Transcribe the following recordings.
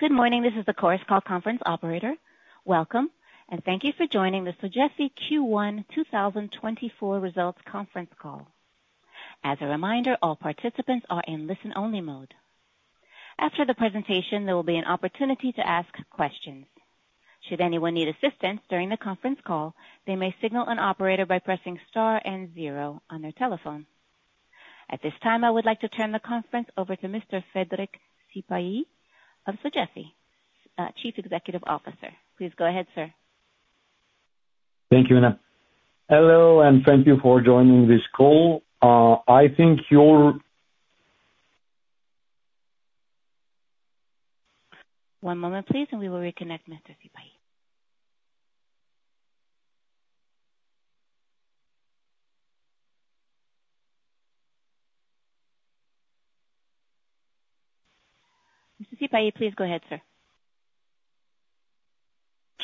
Good morning, this is the Chorus Call Conference Operator. Welcome, and thank you for joining the Sogefi Q1 2024 results conference call. As a reminder, all participants are in listen-only mode. After the presentation, there will be an opportunity to ask questions. Should anyone need assistance during the conference call, they may signal an operator by pressing star and 0 on their telephone. At this time, I would like to turn the conference over to Mr. Frédéric Sipahi of Sogefi, Chief Executive Officer. Please go ahead, sir. Thank you, Anna. Hello, and thank you for joining this call. I think your. One moment, please, and we will reconnect Mr. Sipahi. Mr. Sipahi, please go ahead, sir.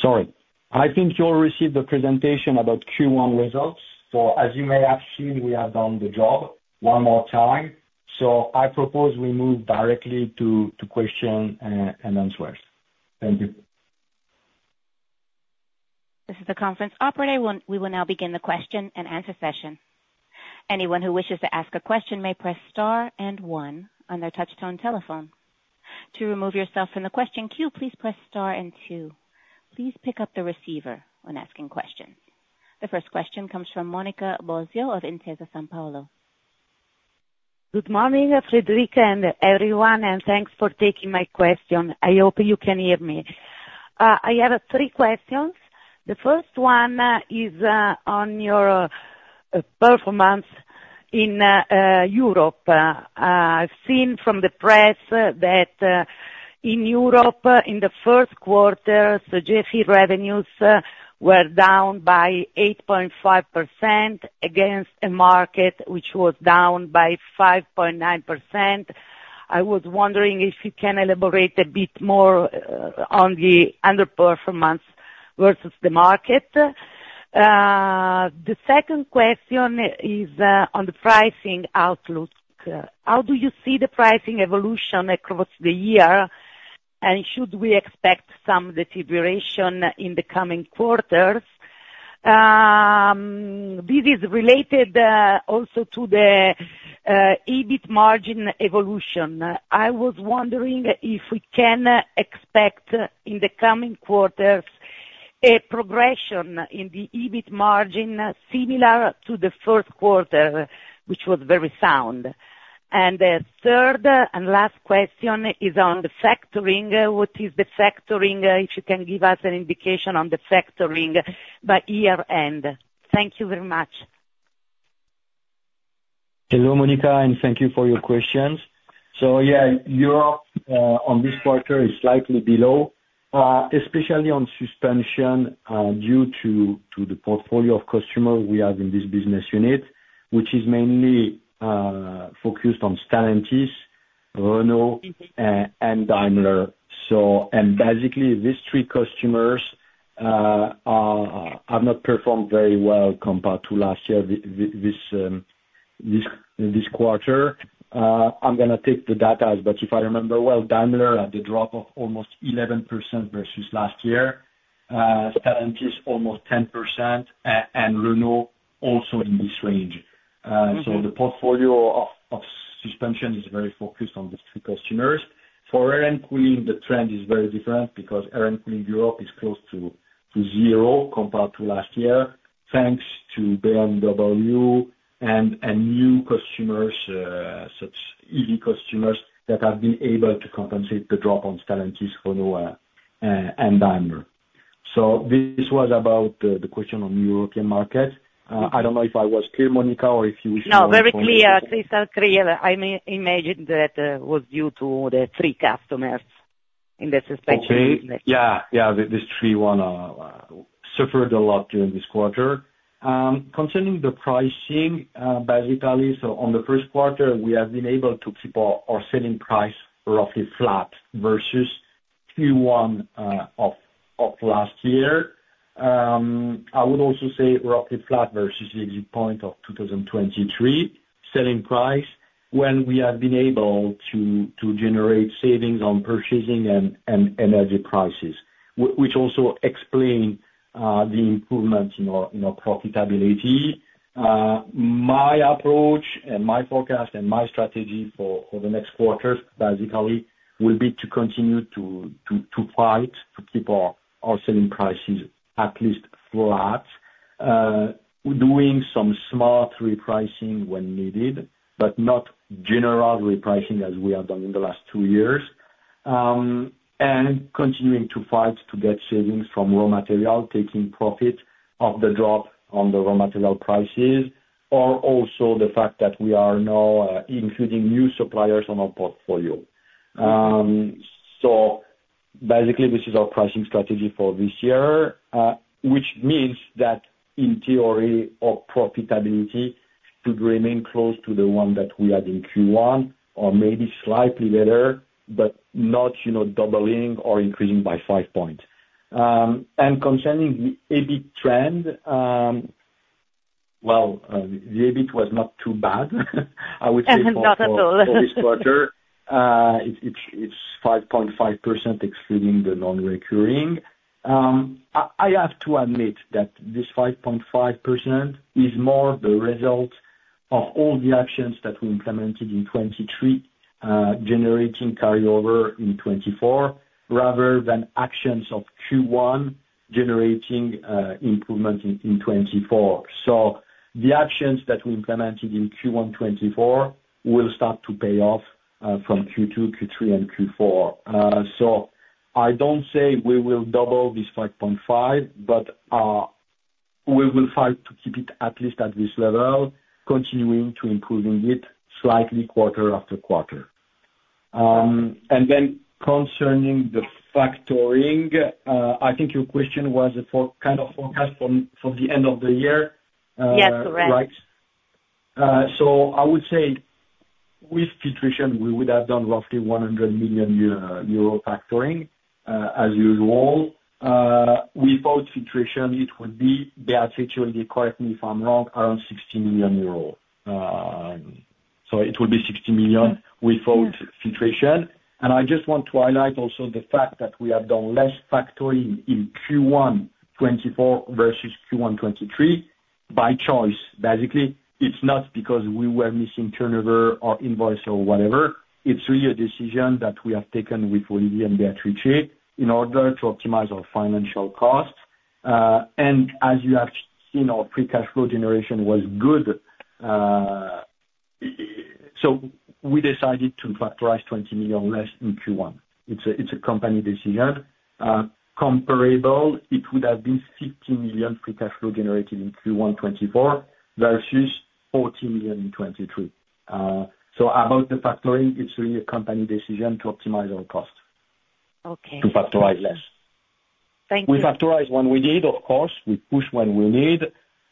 Sorry. I think you'll receive the presentation about Q1 results. So, as you may have seen, we have done the job one more time, so I propose we move directly to questions and answers. Thank you. This is the conference operator. We will now begin the question and answer session. Anyone who wishes to ask a question may press star and 1 on their touch-tone telephone. To remove yourself from the question queue, please press star and 2. Please pick up the receiver when asking questions. The first question comes from Monica Bosio of Intesa Sanpaolo. Good morning, Frédéric and everyone, and thanks for taking my question. I hope you can hear me. I have three questions. The first one is on your performance in Europe. I've seen from the press that in Europe, in the first quarter, Sogefi revenues were down by 8.5% against a market which was down by 5.9%. I was wondering if you can elaborate a bit more on the underperformance versus the market. The second question is on the pricing outlook. How do you see the pricing evolution across the year, and should we expect some deterioration in the coming quarters? This is related also to the EBIT margin evolution. I was wondering if we can expect in the coming quarters a progression in the EBIT margin similar to the first quarter, which was very sound. The third and last question is on the factoring. What is the factoring? If you can give us an indication on the factoring by year-end? Thank you very much. Hello, Monica, and thank you for your questions. So, yeah, Europe on this quarter is slightly below, especially on suspension due to the portfolio of customers we have in this business unit, which is mainly focused on Stellantis, Renault, and Daimler. And basically, these three customers have not performed very well compared to last year this quarter. I'm going to take the data, but if I remember well, Daimler had a drop of almost 11% versus last year, Stellantis almost 10%, and Renault also in this range. So the portfolio of suspension is very focused on these three customers. For air and cooling, the trend is very different because air and cooling Europe is close to 0 compared to last year thanks to BMW and new customers, such as EV customers, that have been able to compensate the drop on Stellantis, Renault, and Daimler. This was about the question on European markets. I don't know if I was clear, Monica, or if you wish to? No, very clear. I imagine that was due to the three customers in the Suspension unit. Okay. Yeah, yeah, these three ones suffered a lot during this quarter. Concerning the pricing, basically, so on the first quarter, we have been able to keep our selling price roughly flat versus Q1 of last year. I would also say roughly flat versus the exit point of 2023 selling price when we have been able to generate savings on purchasing and energy prices, which also explains the improvement in our profitability. My approach and my forecast and my strategy for the next quarters, basically, will be to continue to fight to keep our selling prices at least flat, doing some smart repricing when needed, but not general repricing as we have done in the last two years, and continuing to fight to get savings from raw material, taking profit off the drop on the raw material prices, or also the fact that we are now including new suppliers on our portfolio. So basically, this is our pricing strategy for this year, which means that, in theory, our profitability should remain close to the one that we had in Q1 or maybe slightly better, but not doubling or increasing by 5 points. Concerning the EBIT trend, well, the EBIT was not too bad, I would say, for this quarter. It's 5.5% excluding the non-recurring. I have to admit that this 5.5% is more the result of all the actions that we implemented in 2023 generating carryover in 2024 rather than actions of Q1 generating improvement in 2024. So the actions that we implemented in Q1 2024 will start to pay off from Q2, Q3, and Q4. So I don't say we will double this 5.5, but we will fight to keep it at least at this level, continuing to improving it slightly quarter after quarter. And then concerning the factoring, I think your question was kind of forecast for the end of the year. Yes, correct. Right? So I would say with filtration, we would have done roughly 100 million euro factoring as usual. Without filtration, it would be they are situated, correct me if I'm wrong, around 60 million euros. So it would be 60 million without filtration. And I just want to highlight also the fact that we have done less factoring in Q1 2024 versus Q1 2023 by choice. Basically, it's not because we were missing turnover or invoice or whatever. It's really a decision that we have taken with Olivier and Béatrice in order to optimize our financial costs. And as you have seen, our free cash flow generation was good. So we decided to factorize 20 million less in Q1. It's a company decision. Comparable, it would have been 50 million free cash flow generated in Q1 2024 versus 40 million in 2023. About the factoring, it's really a company decision to optimize our costs to factorize less. Okay. Thank you. We factor when we need, of course. We push when we need.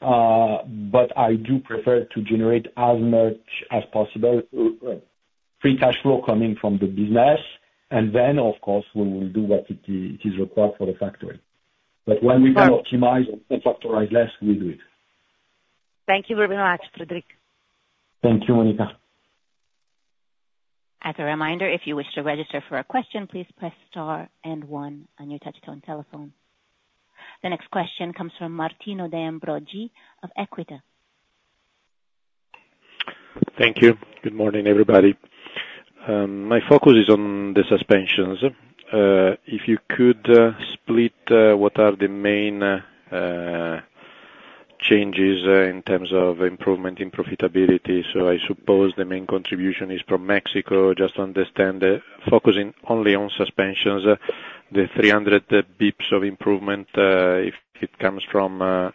But I do prefer to generate as much as possible free cash flow coming from the business. And then, of course, we will do what is required for the factoring. But when we can optimize and factor less, we do it. Thank you very much, Frédéric. Thank you, Monica. As a reminder, if you wish to register for a question, please press star and 1 on your touch-tone telephone. The next question comes from Martino De Ambroggi of Equita. Thank you. Good morning, everybody. My focus is on the suspensions. If you could split what are the main changes in terms of improvement in profitability? So I suppose the main contribution is from Mexico. Just to understand, focusing only on suspensions, the 300 basis points of improvement, if it comes from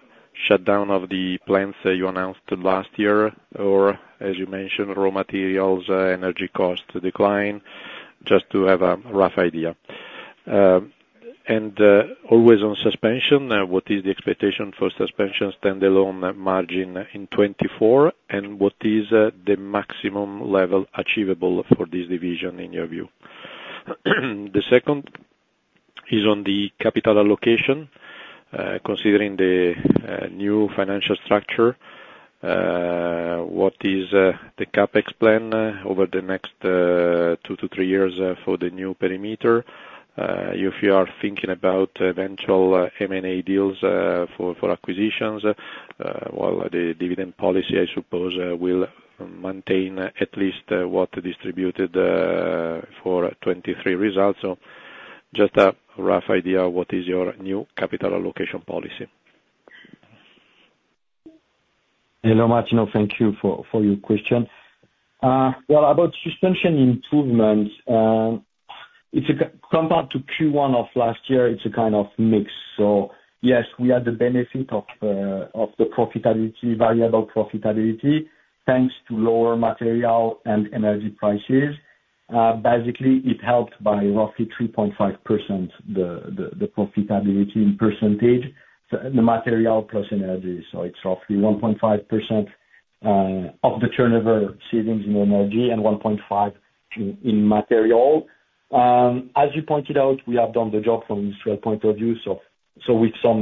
shutdown of the plants you announced last year or, as you mentioned, raw materials, energy cost decline, just to have a rough idea? And always on suspension, what is the expectation for suspension standalone margin in 2024, and what is the maximum level achievable for this division in your view? The second is on the capital allocation. Considering the new financial structure, what is the CapEx plan over the next two to three years for the new perimeter? If you are thinking about eventual M&A deals for acquisitions, well, the dividend policy, I suppose, will maintain at least what distributed for 2023 results. So just a rough idea of what is your new capital allocation policy. Hello, Martino. Thank you for your question. Well, about suspension improvements, compared to Q1 of last year, it's a kind of mix. So yes, we had the benefit of the variable profitability thanks to lower material and energy prices. Basically, it helped by roughly 3.5% the profitability in percentage, the material plus energy. So it's roughly 1.5% of the turnover savings in energy and 1.5% in material. As you pointed out, we have done the job from an industrial point of view, so with some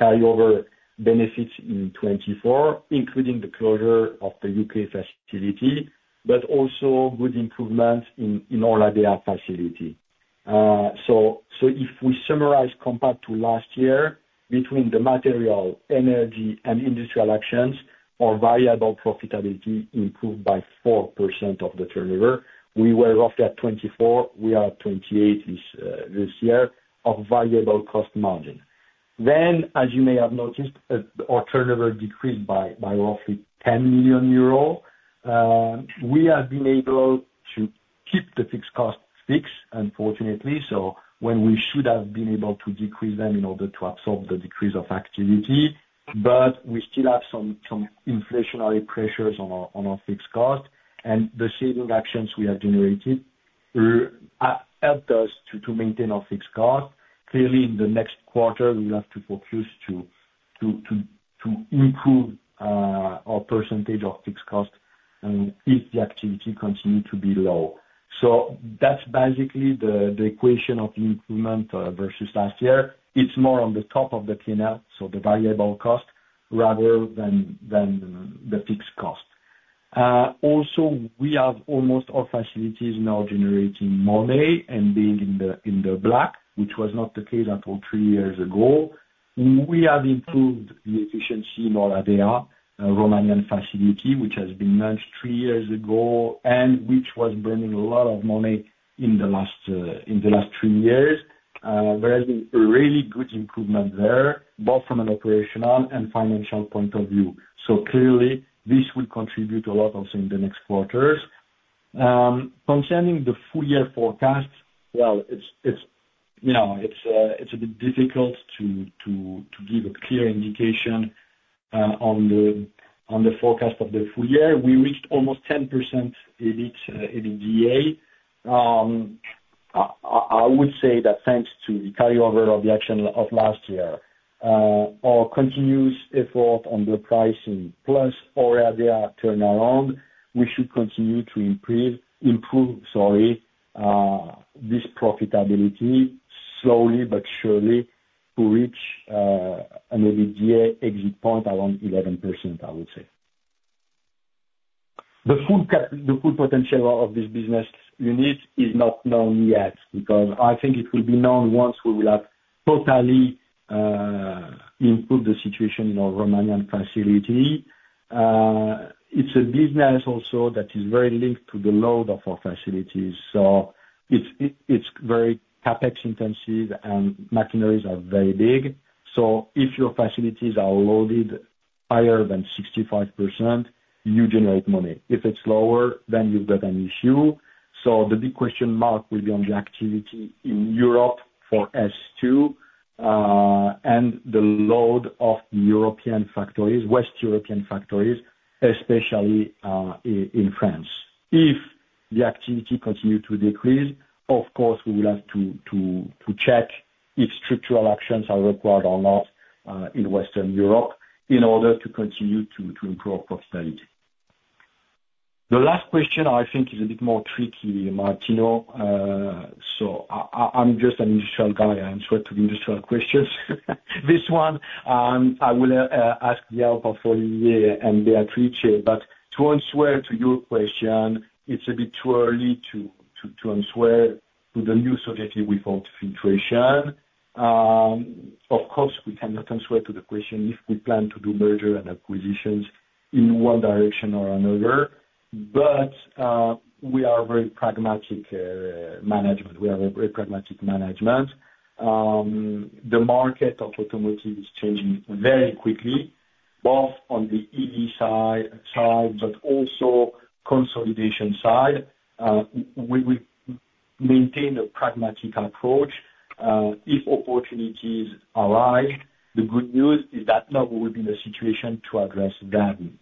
carryover benefits in 2024, including the closure of the UK facility, but also good improvements in Oradea facility. So if we summarize compared to last year, between the material, energy, and industrial actions, our variable profitability improved by 4% of the turnover. We were roughly at 24%. We are at 28% this year of variable cost margin. As you may have noticed, our turnover decreased by roughly 10 million euros. We have been able to keep the fixed costs fixed, unfortunately, so when we should have been able to decrease them in order to absorb the decrease of activity. But we still have some inflationary pressures on our fixed costs, and the saving actions we have generated helped us to maintain our fixed costs. Clearly, in the next quarter, we will have to focus to improve our percentage of fixed costs if the activity continues to be low. So that's basically the equation of the improvement versus last year. It's more on the top of the P&L, so the variable cost, rather than the fixed cost. Also, we have almost all facilities now generating money and being in the black, which was not the case until three years ago. We have improved the efficiency in Oradea, Romanian facility, which has been launched three years ago and which was bringing a lot of money in the last three years. There has been a really good improvement there, both from an operational and financial point of view. So clearly, this will contribute a lot also in the next quarters. Concerning the full-year forecast, well, it's a bit difficult to give a clear indication on the forecast of the full year. We reached almost 10% EBITDA. I would say that thanks to the carryover of the action of last year, our continuous effort on the pricing plus Oradea turnaround, we should continue to improve, sorry, this profitability slowly but surely to reach an EBITDA exit point around 11%, I would say. The full potential of this business unit is not known yet because I think it will be known once we will have totally improved the situation in our Romanian facility. It's a business also that is very linked to the load of our facilities. So it's very CapEx-intensive, and machineries are very big. So if your facilities are loaded higher than 65%, you generate money. If it's lower, then you've got an issue. So the big question mark will be on the activity in Europe for S2 and the load of the European factories, Western European factories, especially in France. If the activity continues to decrease, of course, we will have to check if structural actions are required or not in Western Europe in order to continue to improve profitability. The last question, I think, is a bit more tricky, Martino. So I'm just an industrial guy. I answer to industrial questions. This one, I will ask the help of Olivier and Béatrice. But to answer to your question, it's a bit too early to answer to the new subject with filtration. Of course, we cannot answer to the question if we plan to do merger and acquisitions in one direction or another. But we are very pragmatic management. We are a very pragmatic management. The market of automotive is changing very quickly, both on the EV side, but also consolidation side. We will maintain a pragmatic approach. If opportunities arise, the good news is that now we will be in a situation to address them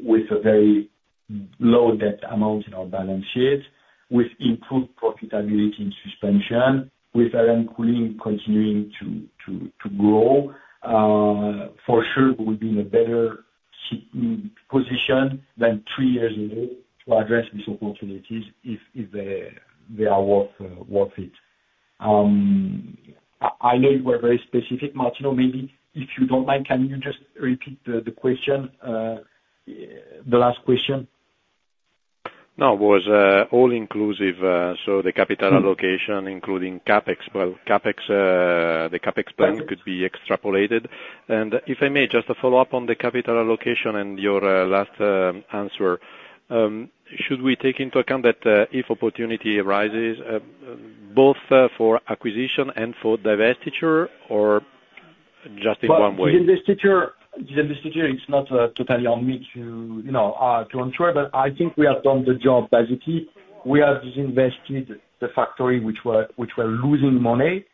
with a very low debt amount in our balance sheet, with improved profitability in suspension, with Air and Cooling continuing to grow. For sure, we will be in a better position than three years ago to address these opportunities if they are worth it. I know you were very specific, Martino. Maybe if you don't mind, can you just repeat the last question? No, it was all-inclusive. So the capital allocation, including Capex. Well, the Capex plan could be extrapolated. And if I may, just a follow-up on the capital allocation and your last answer. Should we take into account that if opportunity arises, both for acquisition and for divestiture, or just in one way? Well, disinvestment, it's not totally on me to ensure, but I think we have done the job. Basically, we have disinvested the factory, which were losing money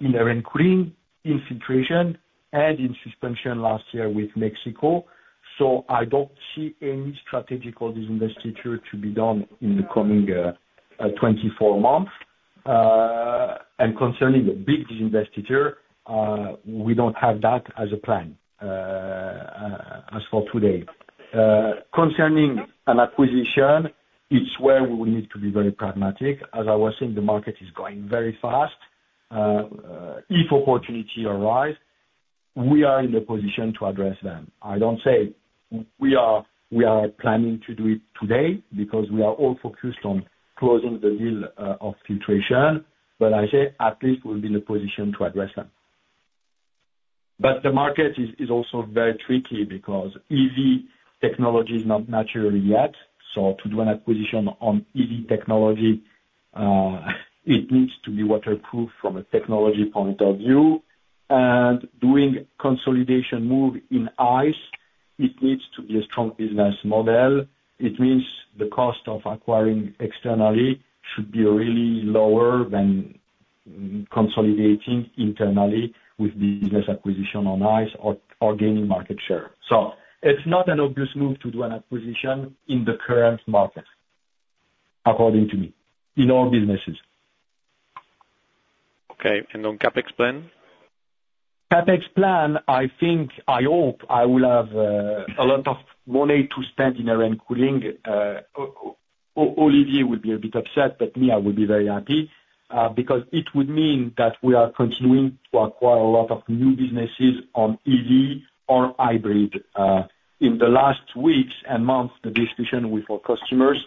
in Air and Cooling, in Filtration, and in Suspension last year with Mexico. So I don't see any strategic disinvestment to be done in the coming 24 months. And concerning the big disinvestment, we don't have that as a plan as for today. Concerning an acquisition, it's where we will need to be very pragmatic. As I was saying, the market is going very fast. If opportunity arise, we are in a position to address them. I don't say we are planning to do it today because we are all focused on closing the deal of Filtration. But I say at least we will be in a position to address them. But the market is also very tricky because EV technology is not mature yet. So to do an acquisition on EV technology, it needs to be waterproof from a technology point of view. And doing consolidation move in ICE, it needs to be a strong business model. It means the cost of acquiring externally should be really lower than consolidating internally with business acquisition on ICE or gaining market share. So it's not an obvious move to do an acquisition in the current market, according to me, in all businesses. Okay. And on Capex plan? Capex plan, I hope I will have a lot of money to spend in Air and Cooling. Olivier will be a bit upset, but me, I will be very happy because it would mean that we are continuing to acquire a lot of new businesses on EV or hybrid. In the last weeks and months, the discussion with our customers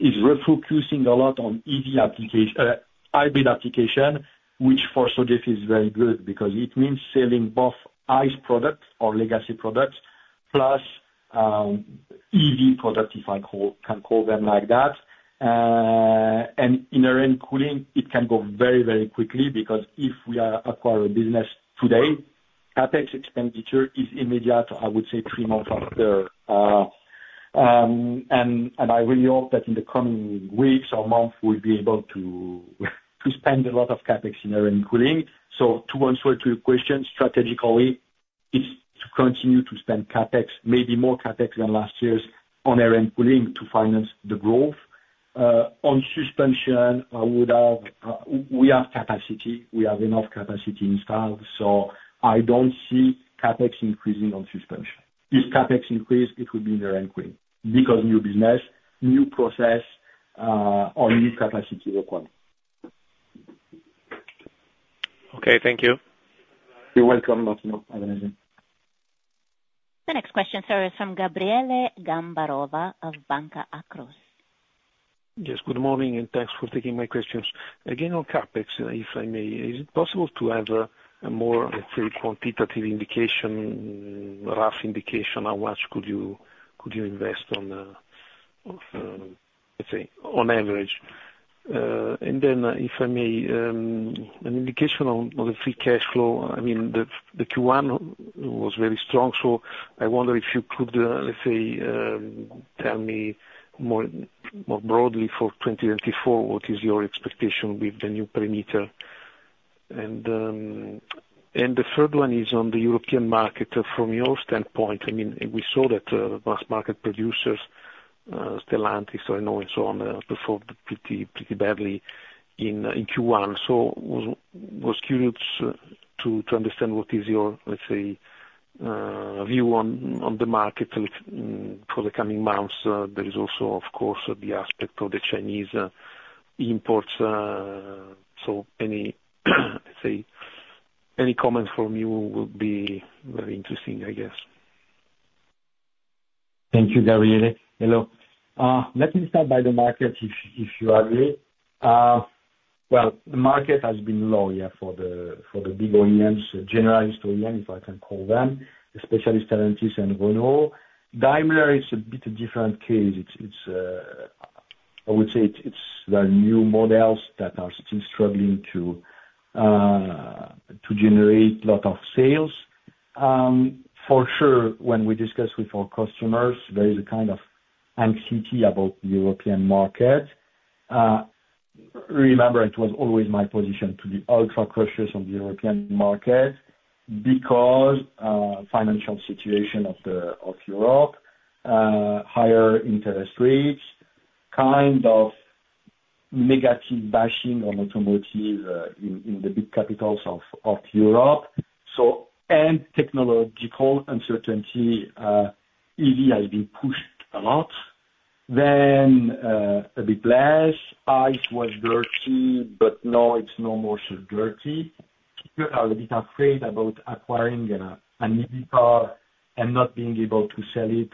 is refocusing a lot on hybrid application, which for Sogefi is very good because it means selling both ICE products or legacy products plus EV products, if I can call them like that. And in Air and Cooling, it can go very, very quickly because if we acquire a business today, Capex expenditure is immediate, I would say, three months after. And I really hope that in the coming weeks or months, we'll be able to spend a lot of Capex in Air and Cooling. To answer to your question, strategically, it's to continue to spend Capex, maybe more Capex than last year's, on Air and Cooling to finance the growth. On suspension, we have capacity. We have enough capacity in stock. So I don't see Capex increasing on suspension. If Capex increased, it would be in Air and Cooling because new business, new process, or new capacity required. Okay. Thank you. You're welcome, Martino. Have a nice day. The next question, sir, is from Gabriele Gambarova of Banca Akros. Yes. Good morning, and thanks for taking my questions. Again, on Capex, if I may, is it possible to have a more quantitative indication, rough indication how much could you invest on, let's say, on average? And then, if I may, an indication on the free cash flow. I mean, the Q1 was very strong, so I wonder if you could, let's say, tell me more broadly for 2024, what is your expectation with the new perimeter? And the third one is on the European market. From your standpoint, I mean, we saw that mass market producers, Stellantis, I know, and so on, performed pretty badly in Q1. So I was curious to understand what is your, let's say, view on the market for the coming months. There is also, of course, the aspect of the Chinese imports. Any, let's say, comments from you would be very interesting, I guess. Thank you, Gabriele. Hello. Let me start by the market if you agree. Well, the market has been low yet for the big OEMs, generalists, if I can call them, especially Stellantis and Renault. Daimler, it's a bit a different case. I would say it's the new models that are still struggling to generate a lot of sales. For sure, when we discuss with our customers, there is a kind of anxiety about the European market. Remember, it was always my position to be ultra-cautious on the European market because of the financial situation of Europe, higher interest rates, kind of negative bashing on automotive in the big capitals of Europe, and technological uncertainty. EV has been pushed a lot. Then a bit less. ICE was dirty, but now it's no more so dirty. People are a bit afraid about acquiring an EV car and not being able to sell it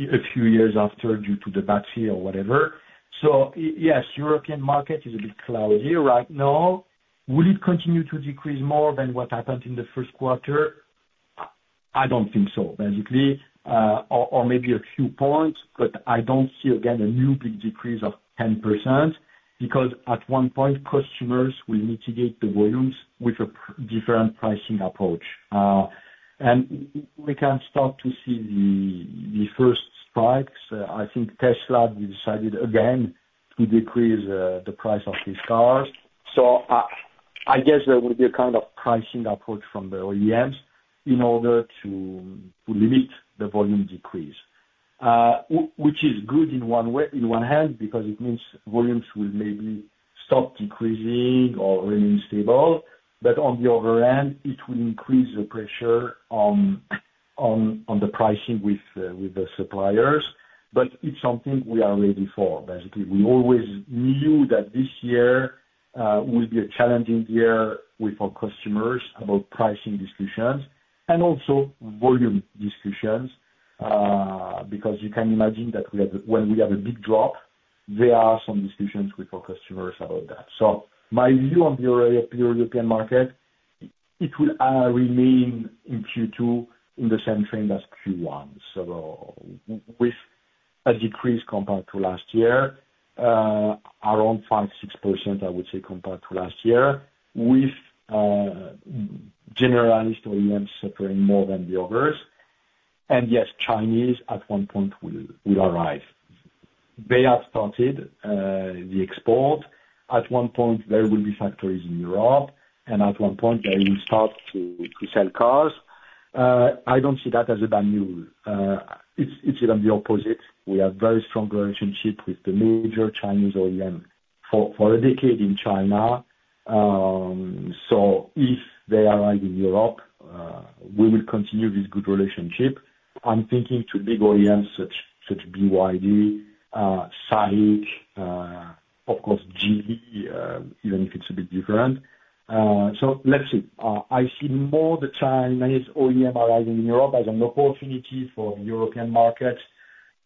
a few years after due to the battery or whatever. So yes, the European market is a bit cloudy right now. Will it continue to decrease more than what happened in the first quarter? I don't think so, basically, or maybe a few points, but I don't see, again, a new big decrease of 10% because at one point, customers will mitigate the volumes with a different pricing approach. And we can start to see the first strikes. I think Tesla decided again to decrease the price of these cars. So I guess there will be a kind of pricing approach from the OEMs in order to limit the volume decrease, which is good on one hand because it means volumes will maybe stop decreasing or remain stable. But on the other hand, it will increase the pressure on the pricing with the suppliers. But it's something we are ready for, basically. We always knew that this year will be a challenging year with our customers about pricing discussions and also volume discussions because you can imagine that when we have a big drop, there are some discussions with our customers about that. So my view on the European market, it will remain in Q2 in the same trend as Q1, so with a decrease compared to last year, around 5%-6%, I would say, compared to last year, with generalists suffering more than the others. And yes, Chinese at one point will arrive. They have started the export. At one point, there will be factories in Europe, and at one point, they will start to sell cars. I don't see that as a bad news. It's even the opposite. We have a very strong relationship with the major Chinese OEM for a decade in China. So if they arrive in Europe, we will continue this good relationship. I'm thinking to big OEMs such as BYD, SAIC, of course, Geely, even if it's a bit different. So let's see. I see more the Chinese OEM arriving in Europe as an opportunity for the European market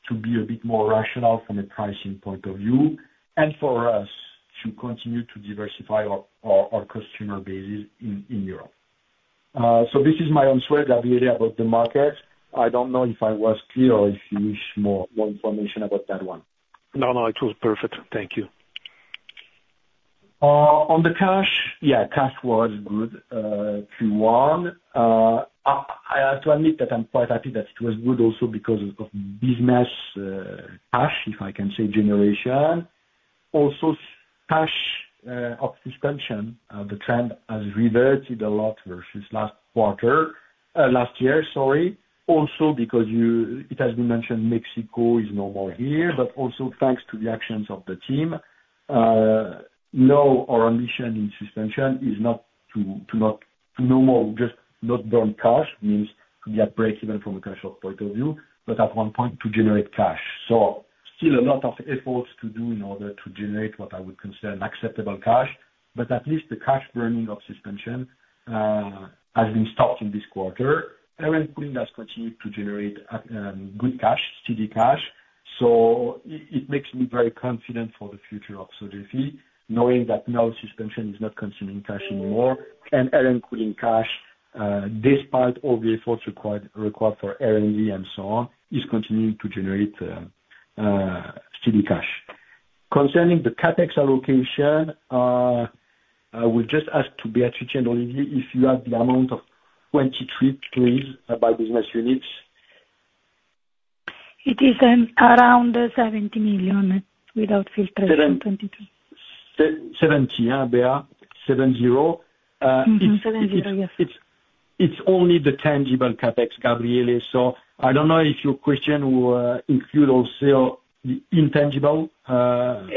to be a bit more rational from a pricing point of view and for us to continue to diversify our customer bases in Europe. So this is my answer, Gabriele, about the market. I don't know if I was clear or if you wish more information about that one. No, no. It was perfect. Thank you. On the cash, yeah, cash was good Q1. I have to admit that I'm quite happy that it was good also because of business cash, if I can say, generation. Also, cash in Suspension, the trend has reverted a lot versus last year, sorry, also because it has been mentioned Mexico is no more here, but also thanks to the actions of the team, now our ambition in Suspension is not to no more, just not burn cash means to be at break even from a cash-out point of view, but at one point, to generate cash. So still a lot of efforts to do in order to generate what I would consider an acceptable cash, but at least the cash burning in Suspension has been stopped in this quarter. Air and Cooling has continued to generate good cash, steady cash. So it makes me very confident for the future of Sogefi, knowing that now suspension is not consuming cash anymore, and Air and Cooling cash, despite all the efforts required for R&D and so on, is continuing to generate steady cash. Concerning the capex allocation, I will just ask to Béatrice and Olivier if you have the amount of 23 trillion by business units. It is around 70 million without Filtration 2023. 70, yeah, Bea? 70? No, 70, yes. It's only the tangible Capex, Gabriele. So I don't know if your question will include also the intangible. No,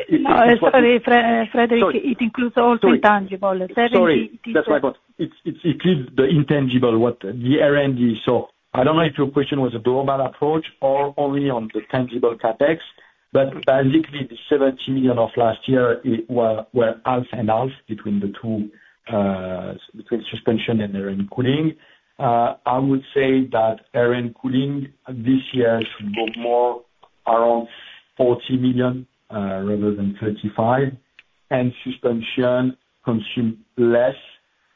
sorry, Frédéric, it includes all the intangible. 70, 30. Sorry, that's my point. It includes the intangible, the R&D. So I don't know if your question was a global approach or only on the tangible CapEx, but basically, the 70 million of last year, it were half and half between suspension and Air and Cooling. I would say that Air and Cooling this year should go more around 40 million rather than 35 million, and suspension consumes less,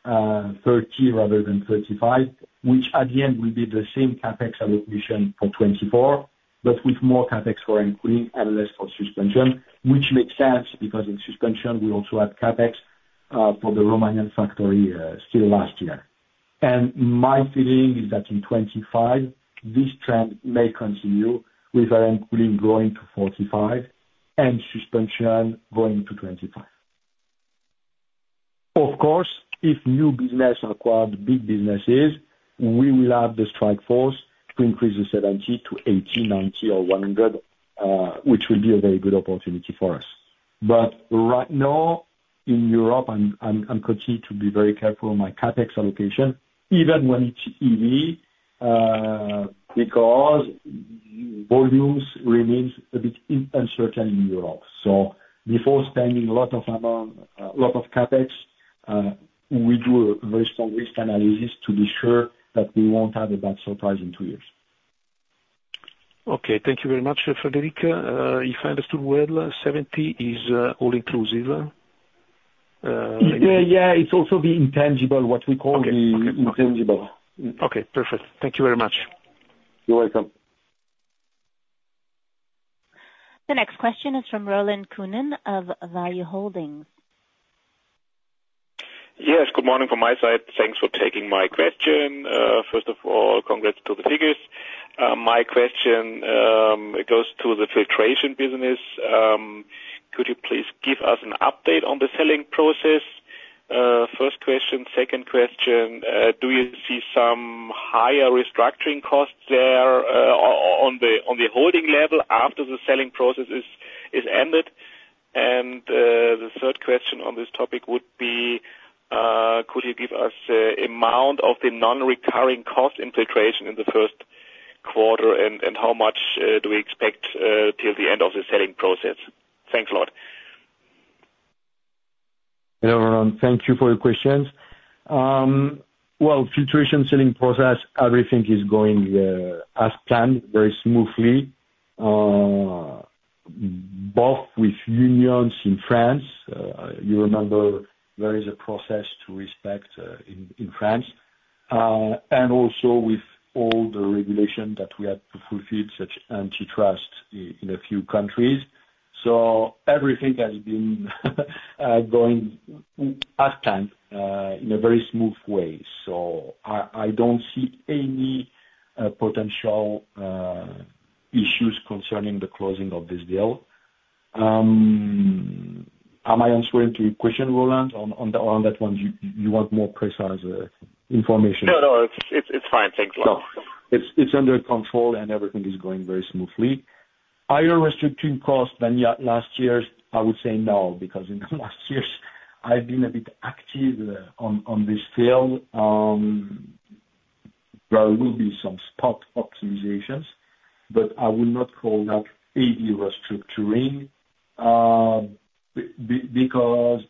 30 million rather than 35 million, which at the end will be the same CapEx allocation for 2024 but with more CapEx for Air and Cooling and less for suspension, which makes sense because in suspension, we also had CapEx for the Romanian factory still last year. And my feeling is that in 2025, this trend may continue with Air and Cooling growing to 45 million and suspension going to 25 million. Of course, if new business acquired big businesses, we will have the strike force to increase the 70 to 80, 90, or 100, which will be a very good opportunity for us. But right now, in Europe, I'm continuing to be very careful on my Capex allocation, even when it's EV, because volumes remain a bit uncertain in Europe. So before spending a lot of amount, a lot of Capex, we do a very strong risk analysis to be sure that we won't have a bad surprise in two years. Okay. Thank you very much, Frédéric. If I understood well, 70 is all-inclusive? Yeah, yeah. It's also the intangible, what we call the intangible. Okay. Perfect. Thank you very much. You're welcome. The next question is from Roland Konen of Value-Holdings. Yes. Good morning from my side. Thanks for taking my question. First of all, congrats to the figures. My question, it goes to the Filtration business. Could you please give us an update on the selling process? First question. Second question, do you see some higher restructuring costs there on the holding level after the selling process is ended? And the third question on this topic would be, could you give us the amount of the non-recurring costs in Filtration in the first quarter, and how much do we expect till the end of the selling process? Thanks a lot. Hello, Roland. Thank you for your questions. Well, Filtration selling process, everything is going as planned, very smoothly, both with unions in France. You remember, there is a process to respect in France and also with all the regulation that we have to fulfill, such as antitrust, in a few countries. So everything has been going as planned in a very smooth way. So I don't see any potential issues concerning the closing of this deal. Am I answering to your question, Roland? On that one, you want more precise information. No, no. It's fine. Thanks a lot. So it's under control, and everything is going very smoothly. Higher restructuring costs than last year? I would say no because in the last years, I've been a bit active on this field. There will be some spot optimizations, but I will not call that AD restructuring because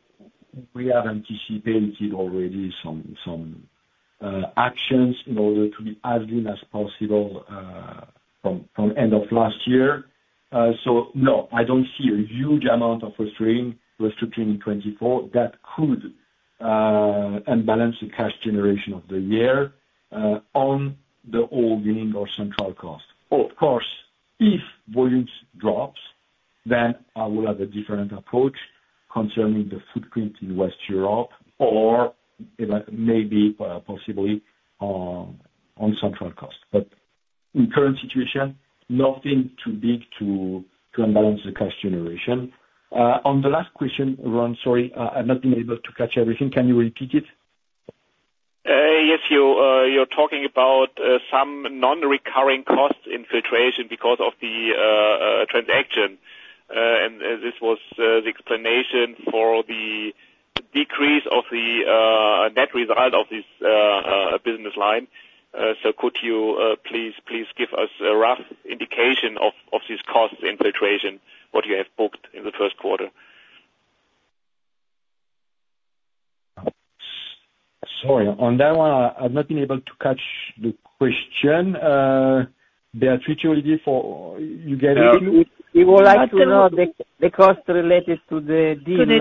we have anticipated already some actions in order to be as lean as possible from end of last year. So no, I don't see a huge amount of restructuring in 2024 that could unbalance the cash generation of the year on the all-winning or central cost. Of course, if volumes drop, then I will have a different approach concerning the footprint in Western Europe or maybe possibly on central cost. But in the current situation, nothing too big to unbalance the cash generation. On the last question, Roland, sorry, I've not been able to catch everything. Can you repeat it? Yes. You're talking about some non-recurring costs in Filtration because of the transaction. This was the explanation for the decrease of the net result of this business line. Could you please give us a rough indication of this costs in Filtration, what you have booked in the first quarter? Sorry. On that one, I've not been able to catch the question. Béatrice, Olivier, you get it? We would like to know the cost related to the deal. To the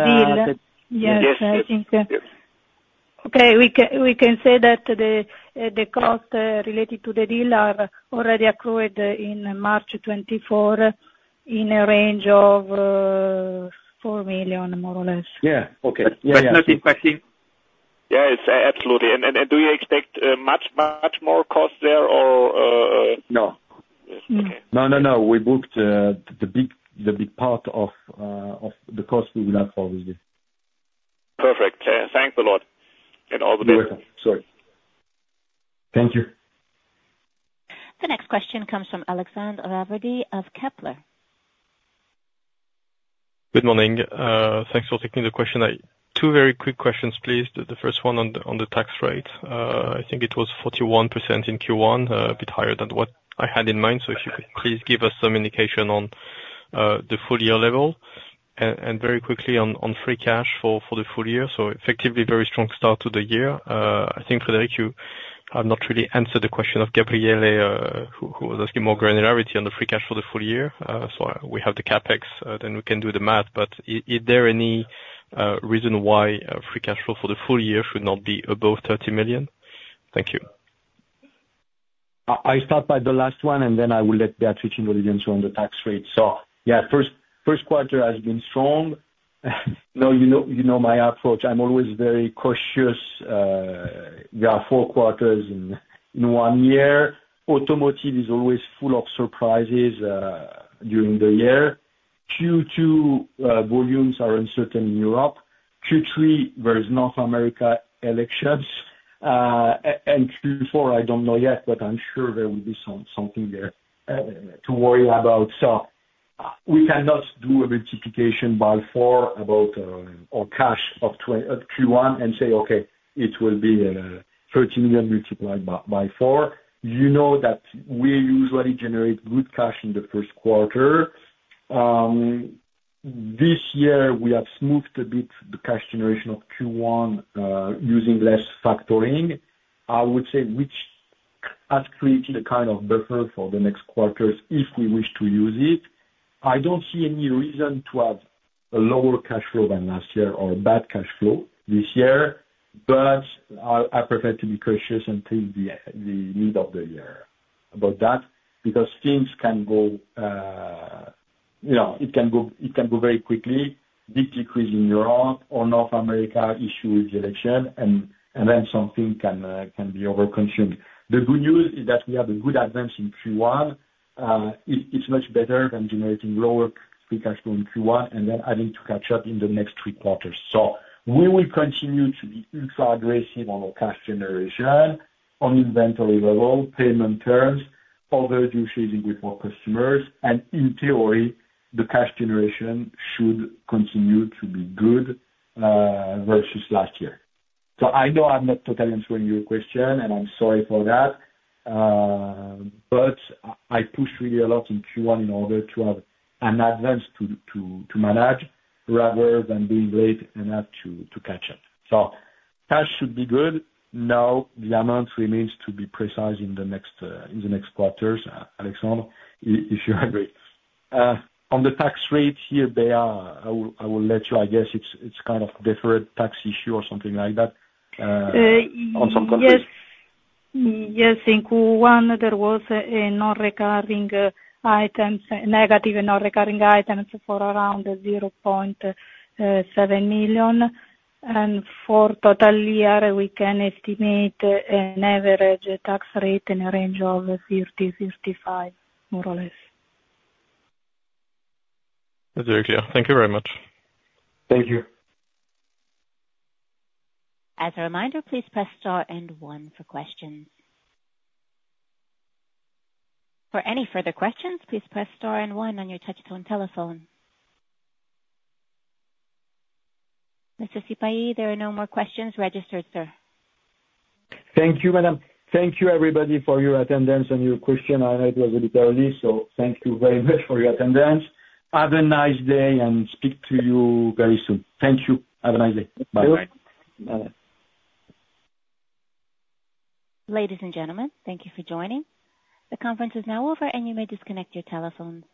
deal? Yes. Yes, I think. Okay. We can say that the cost related to the deal are already accrued in March 2024 in a range of 4 million, more or less. Yeah. Okay. But not impacting. Yeah, absolutely. Do you expect much, much more cost there, or? No. No, no, no. We booked the big part of the cost we will have for this deal. Perfect. Thanks a lot and all the best. You're welcome. Sorry. Thank you. The next question comes from Alexandre Raverdy of Kepler. Good morning. Thanks for taking the question. Two very quick questions, please. The first one on the tax rate. I think it was 41% in Q1, a bit higher than what I had in mind. So if you could please give us some indication on the full year level and very quickly on free cash for the full year. So effectively, very strong start to the year. I think, Frédéric, you have not really answered the question of Gabriele, who was asking more granularity on the free cash for the full year. So we have the Capex. Then we can do the math. But is there any reason why free cash flow for the full year should not be above 30 million? Thank you. I start by the last one, and then I will let Béatrice and Olivier answer on the tax rate. So yeah, first quarter has been strong. No, you know my approach. I'm always very cautious. There are four quarters in one year. Automotive is always full of surprises during the year. Q2, volumes are uncertain in Europe. Q3, there is North America elections. And Q4, I don't know yet, but I'm sure there will be something there to worry about. So we cannot do a multiplication by 4 or cash of Q1 and say, "Okay, it will be 30 million multiplied by 4." You know that we usually generate good cash in the first quarter. This year, we have smoothed a bit the cash generation of Q1 using less factoring, I would say, which has created a kind of buffer for the next quarters if we wish to use it. I don't see any reason to have a lower cash flow than last year or bad cash flow this year, but I prefer to be cautious until the middle of the year about that because things can go, it can go very quickly, big decrease in Europe or North America issue with the election, and then something can be overconsumed. The good news is that we have a good advance in Q1. It's much better than generating lower free cash flow in Q1 and then having to catch up in the next three quarters. So we will continue to be ultra-aggressive on our cash generation, on inventory level, payment terms, other due fees with our customers. And in theory, the cash generation should continue to be good versus last year. So I know I'm not totally answering your question, and I'm sorry for that. But I pushed really a lot in Q1 in order to have an advance to manage rather than being late and have to catch up. So cash should be good. Now, the amount remains to be precise in the next quarters, Alexandre, if you agree. On the tax rate here, Bea, I will let you. I guess it's kind of a deferred tax issue or something like that on some countries. Yes. Yes. In Q1, there was a negative and non-recurring items for around 0.7 million. For total year, we can estimate an average tax rate in a range of 30%-35%, more or less. That's very clear. Thank you very much. Thank you. As a reminder, please press star and one for questions. For any further questions, please press star and one on your touch-tone telephone. Mr. Sipahi, there are no more questions registered, sir. Thank you, madam. Thank you, everybody, for your attendance and your question. I know it was a bit early, so thank you very much for your attendance. Have a nice day, and speak to you very soon. Thank you. Have a nice day. Bye-bye. Ladies and gentlemen, thank you for joining. The conference is now over, and you may disconnect your telephones.